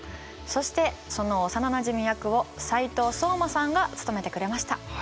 そしてその幼なじみ役を斉藤壮馬さんが務めてくれました。